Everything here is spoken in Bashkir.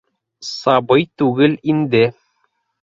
Сабый түгел инде...